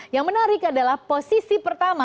yang menarik adalah posisi pertama